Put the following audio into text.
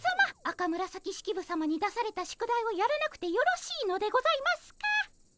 赤紫式部さまに出された宿題をやらなくてよろしいのでございますか？